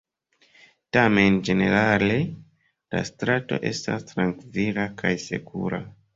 Tamen ĝenerale la strato estas trankvila kaj sekura.